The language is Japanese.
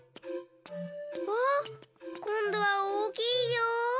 わっこんどはおおきいよ。